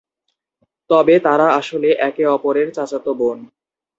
তবে তারা আসলে একে অপরের চাচাতো বোন।